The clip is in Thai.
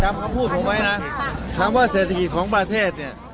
คำพูดผมไว้นะคำว่าเศรษฐกิจของประเทศเนี่ย